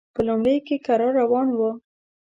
په لومړیو کې کرار روان و.